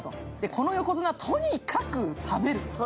この横綱、とにかく食べる。